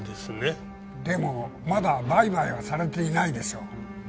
でもまだ売買はされていないでしょう？